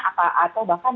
atau bahkan mungkin